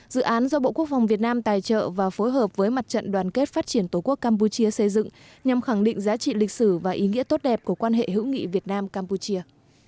dự án do bộ quốc phòng việt nam tài trợ và phối hợp với mặt trận đoàn kết phát triển tổ quốc campuchia xây dựng nhằm khẳng định giá trị lịch sử và ý nghĩa tốt đẹp của quan hệ hữu nghị việt nam campuchia